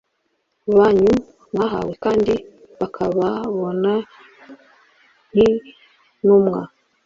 banyu mwahawe kandi bakababona nkintumwa